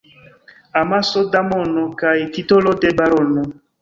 Amaso da mono kaj titolo de barono.